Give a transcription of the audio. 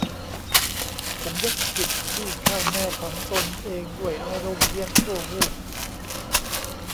สำนึกผิดที่ฆ่าแม่ของตนเองด้วยอารมณ์เพียงชั่ววูบ